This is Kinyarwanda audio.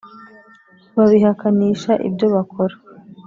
babihakanisha ibyo bakora